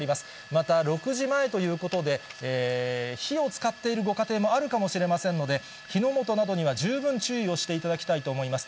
また６時前ということで、火を使っているご家庭もあるかもしれませんので、火の元などには十分注意をしていただきたいと思います。